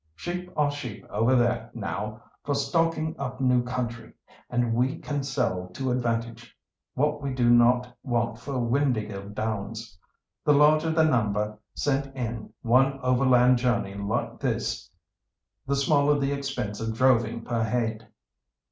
Sheep are sheep over there now for stocking up new country, and we can sell to advantage what we do not want for Windāhgil Downs. The larger the number sent in one overland journey like this, the smaller the expense of droving per head.